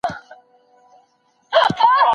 هغه وويل چي نرم چلند وکړئ.